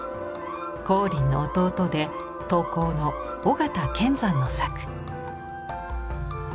光琳の弟で陶工の尾形乾山の作。